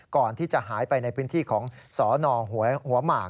ก่อนที่จะหายไปในพื้นที่ของสนหัวหมาก